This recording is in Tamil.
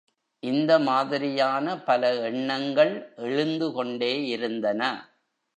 இந்த மாதிரியான பல எண்ணங்கள் எழுந்து கொண்டே இருந்தன.